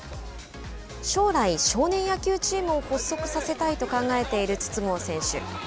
将来、少年野球チームを発足させたいと考えている筒香選手。